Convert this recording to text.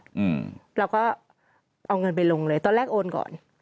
อืมเราก็เอาเงินไปลงเลยตอนแรกโอนก่อน